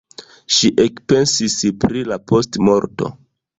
Ŝi ekpensis pri la postmorto.